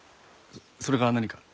それが何か？